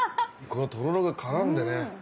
このとろろが絡んでね